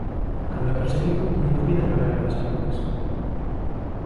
Cando é perseguido non dúbida en gabear ás árbores.